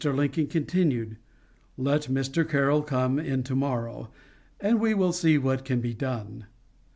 Lincoln continued: "Let Mr. Carroll come in to morrow, and we will see what can be done."